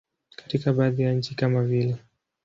Katika baadhi ya nchi kama vile.